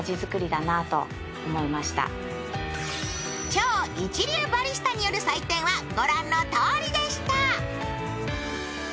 超一流バリスタによる採点は御覧のとおりでした。